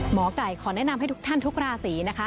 หมอไก่ขอแนะนำให้ทุกท่านทุกราศีนะคะ